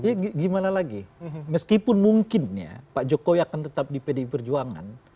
ya gimana lagi meskipun mungkin ya pak jokowi akan tetap di pdi perjuangan